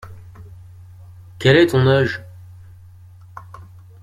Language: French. Quel est ton âge?